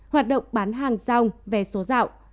hoạt động bán hàng rong vé số dạo